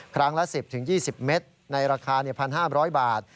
ครั้งละ๑๐๒๐เมตรในราคา๑๕๐๐บาท